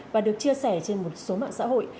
và được chia sẻ trên một số mạng xã hội